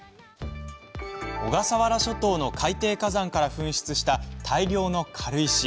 小笠原諸島の海底火山から噴出した大量の軽石。